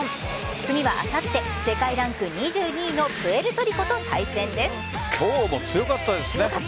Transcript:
次はあさって世界ランク２２位の今日も強かったですね。